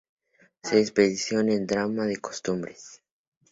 Se especializó en el drama de costumbres.